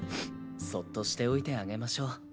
そっとしておいてあげましょう。